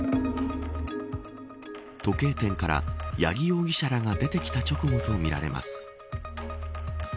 時計店から、八木容疑者らが出てきた直後とみられます。